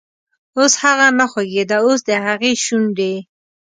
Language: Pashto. اوس هغه نه خوږیده، اوس دهغې شونډې،